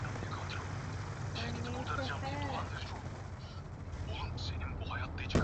Kampala ni miongoni mwa miji yenye hewa chafu